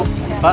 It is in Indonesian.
terima kasih pak